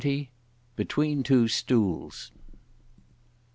BETWEEN TWO STOOLS.